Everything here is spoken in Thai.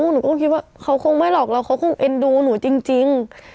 หนูก็คิดว่าเขาคงไม่หรอกแล้วเขาคงเอ็นดูหนูจริง